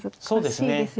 そうですね。